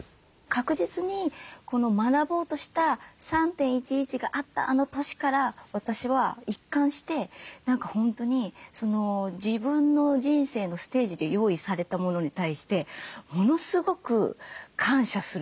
確実に学ぼうとした３．１１があったあの年から私は一貫して何か本当に自分の人生のステージで用意されたものに対してものすごく感謝するようになったんですよ。